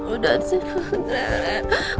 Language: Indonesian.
udah sih ren